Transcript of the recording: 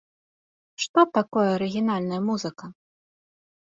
Што такое арыгінальная музыка?